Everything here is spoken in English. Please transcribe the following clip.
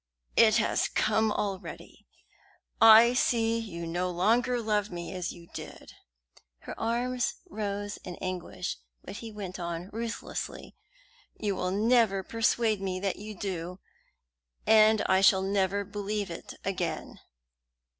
"It has come already. I see you no longer love me as you did." Her arms rose in anguish; but he went on ruthlessly: "You will never persuade me that you do; I shall never believe it again."